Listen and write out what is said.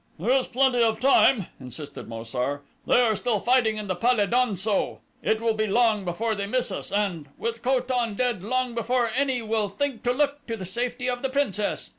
"There is plenty of time," insisted Mo sar. "They are still fighting in the pal e don so. It will be long before they miss us and, with Ko tan dead, long before any will think to look to the safety of the princess.